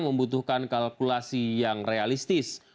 membutuhkan kalkulasi yang realistis